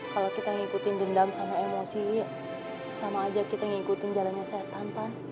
kalau kita ngikutin dendam sama emosi sama aja kita ngikutin jalannya sehat tanpa